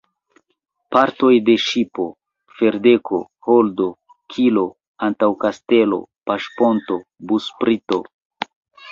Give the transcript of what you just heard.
Partoj de ŝipo: ferdeko, holdo, kilo, antaŭkastelo, paŝponto, busprito.